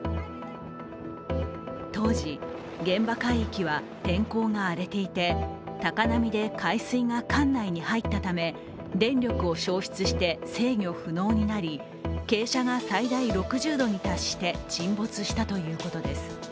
当時、現場海域は天候が荒れていて高波で海水が艦内に入ったため電力を消失して制御不能になり傾斜が最大６０度に達して沈没したということです。